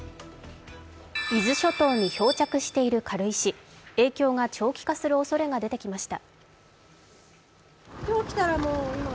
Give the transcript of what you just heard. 伊豆諸島に漂着している軽石、影響が長期化するおそれが出てきました。